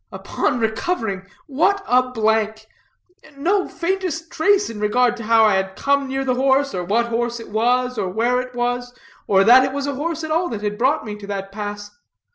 Upon recovering, what a blank! No faintest trace in regard to how I had come near the horse, or what horse it was, or where it was, or that it was a horse at all that had brought me to that pass.